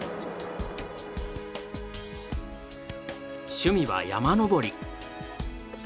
趣味は山登り。